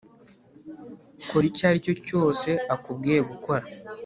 Kora icyo aricyo cyose akubwiye gukora